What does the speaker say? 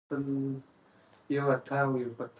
زموږ سیندونه به بیا په خوند بهېږي.